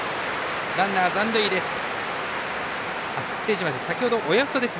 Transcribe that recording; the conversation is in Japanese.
ランナー残塁です。